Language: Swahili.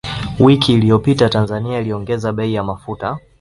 Wiki iliyopita Tanzania iliongeza bei ya mafuta